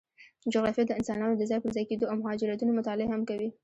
جغرافیه د انسانانو د ځای پر ځای کېدو او مهاجرتونو مطالعه هم کوي.